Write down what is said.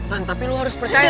kan tapi lo harus percaya